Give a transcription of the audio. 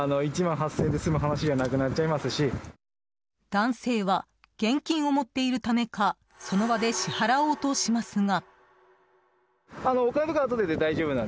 男性は現金を持っているためかその場で支払おうとしますが。